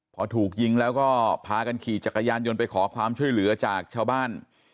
พอถูกยิงแล้วก็พากันขี่จักรยานยนต์ไปขอความช่วยเหลือจากชาวบ้าน